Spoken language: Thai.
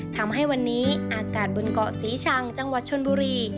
ทำให้วันนี้อากาศบนเกาะสีชังชนบุรี